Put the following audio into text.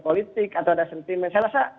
politik atau ada sentimen saya rasa